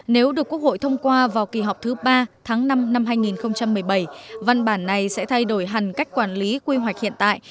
nếu được quốc hội thông qua vào kỳ họp thứ ba tháng năm năm hai nghìn một mươi bảy văn bản này sẽ thay đổi hẳn cách quản lý quy hoạch hiện tại